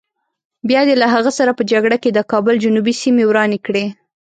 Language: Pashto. بیا دې له هغه سره په جګړه کې د کابل جنوبي سیمې ورانې کړې.